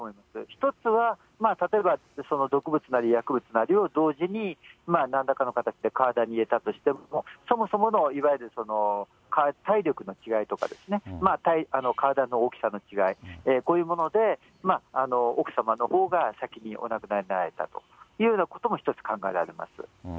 １つは例えば、毒物なり薬物なりを、同時になんらかの形で体に入れた、そもそものいわゆる体力の違いとかですね、体の大きさの違い、こういうもので奥様のほうが先にお亡くなりになられたというようなことも１つ考えられます。